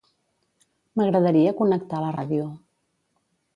M'agradaria connectar la ràdio.